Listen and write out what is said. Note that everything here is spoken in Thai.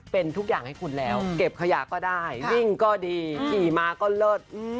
เป็นทุกอย่างให้คุณแล้วเก็บขยะก็ได้วิ่งก็ดีขี่มาก็เลิศ